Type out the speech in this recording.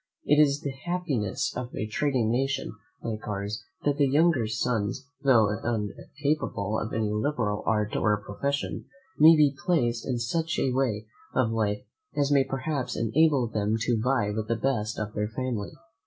It is the happiness of a trading nation, like ours, that the younger sons, tho' uncapable of any liberal art or profession, may be placed in such a way of life as may perhaps enable them to vie with the best of their family.